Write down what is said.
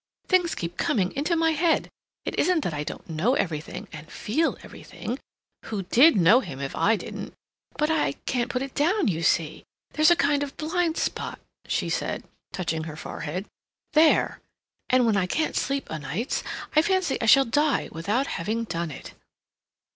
Things keep coming into my head. It isn't that I don't know everything and feel everything (who did know him, if I didn't?), but I can't put it down, you see. There's a kind of blind spot," she said, touching her forehead, "there. And when I can't sleep o' nights, I fancy I shall die without having done it."